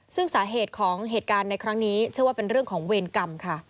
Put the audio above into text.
ซึ่งสาเหตุของเหตุการณ์ในครั้งนี้เชื่อว่าเป็นเรื่องของเวรกรรมค่ะ